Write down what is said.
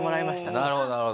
なるほどなるほど。